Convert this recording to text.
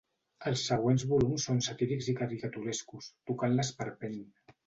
Els següents volums són satírics i caricaturescos, tocant l'esperpent.